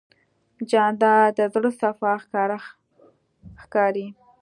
جانداد د زړه صفا ښکاره ښکاري.